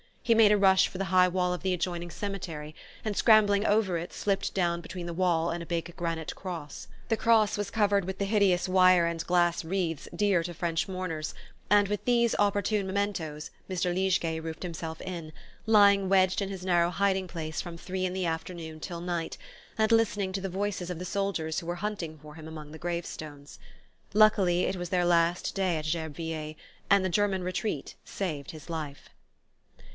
He made a rush for the high wall of the adjoining cemetery, and scrambling over it slipped down between the wall and a big granite cross. The cross was covered with the hideous wire and glass wreaths dear to French mourners; and with these opportune mementoes Mr. Liegeay roofed himself in, lying wedged in his narrow hiding place from three in the afternoon till night, and listening to the voices of the soldiers who were hunting for him among the grave stones. Luckily it was their last day at Gerbeviller, and the German retreat saved his life.